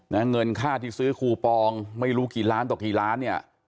เงินค่าที่ซื้อคูปองไม่รู้กี่ล้านต่อกี่ล้านเนี่ย